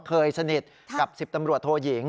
เคยสนิทกับ๑๐ตำรวจโทยิง